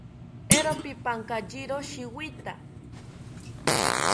Eero pipankayiro shiwita